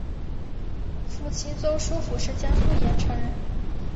父亲周书府是江苏盐城人。